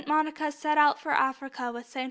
MONICA SET OUT FOR AFRICA WITH ST.